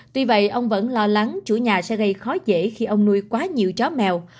tuy vậy ông vẫn lo lắng chủ nhà sẽ gây khó dễ khi ông nuôi quá nhiều chó mèo